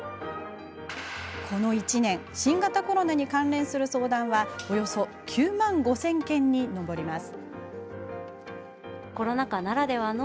この１年新型コロナに関連する相談はおよそ９万５０００件に上ります。